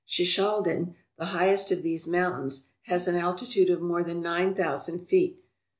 Shishaldin, the highest of these mountains, has an altitude of more than nine thousand feet.